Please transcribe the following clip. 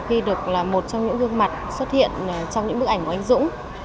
khi được là một trong những gương mặt xuất hiện trong những bức ảnh của anh dũng